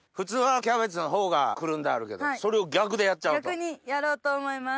逆にやろうと思います。